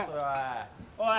おい。